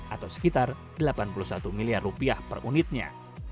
atau sekitar delapan puluh satu miliar rupiah per unitnya